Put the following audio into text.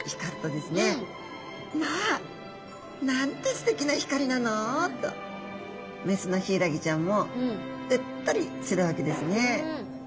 「まあなんてすてきな光なの」とメスのヒイラギちゃんもうっとりするわけですね。